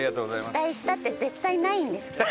期待したって絶対ないんですけど。